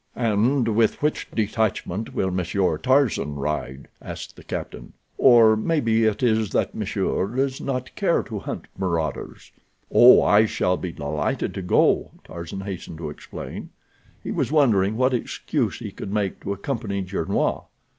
"And with which detachment will Monsieur Tarzan ride?" asked the captain. "Or maybe it is that monsieur does not care to hunt marauders?" "Oh, I shall be delighted to go," Tarzan hastened to explain. He was wondering what excuse he could make to accompany Gernois.